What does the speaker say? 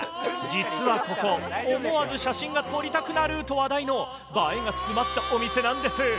実はここ、思わず写真が撮りたくなると話題の、映えが詰まったお店なんです。